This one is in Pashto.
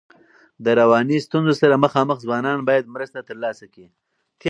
د رواني ستونزو سره مخامخ ځوانان باید مرسته ترلاسه کړي.